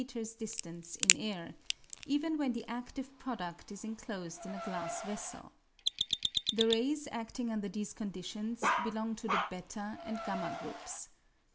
distance in air, even when the adive produd is enclosed in a glass vessel. The rays acling under these conditions belong to the /d and v groups.